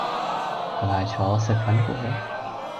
排排坐，食粉果